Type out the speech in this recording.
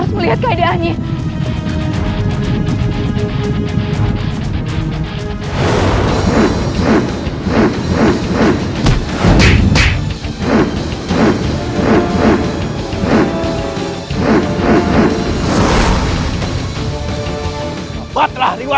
aku mau mengejar pengecut itu